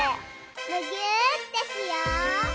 むぎゅーってしよう！